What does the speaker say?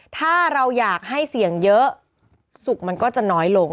ถ้าเราอยากให้เสี่ยงเยอะสุขมันก็จะน้อยลง